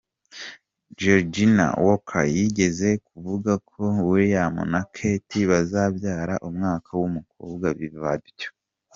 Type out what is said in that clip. Georgina Walker yigeze kuvuga ko William na Kate bazabyara umwaka w’ umukobwa bibabyo.